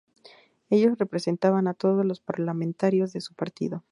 Ellos representaban a todos los parlamentarios de su partido.